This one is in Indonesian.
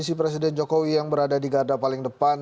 posisi presiden jokowi yang berada di garda paling depan